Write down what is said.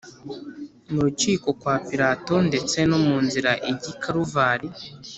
mu rukiko kwa pilato ndetse no mu nzira ijya i kaluvari